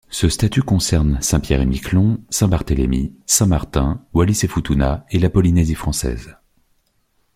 Ce statut concerne Saint-Pierre-et-Miquelon, Saint-Barthélemy, Saint-Martin, Wallis-et-Futuna et la Polynésie française.